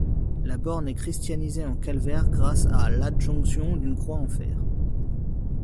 La borne est christianisée en calvaire, grâce à l'adjonction d'une croix en fer.